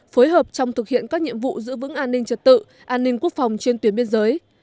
phối hợp trong thực hiện các nhiệm vụ giữ vững an ninh trật tự an ninh quốc phòng trên tuyến biên giới